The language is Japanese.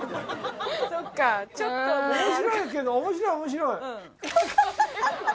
面白いけど面白い面白い。